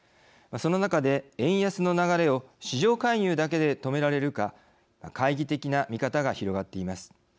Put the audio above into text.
その中で、円安の流れを市場介入だけで止められるか懐疑的な見方が広がっています。